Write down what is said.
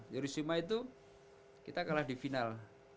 di hiroshima itu kita kalah di final